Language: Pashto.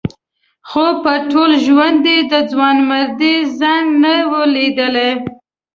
خو په ټول ژوند یې د ځوانمردۍ زنګ نه و لیدلی.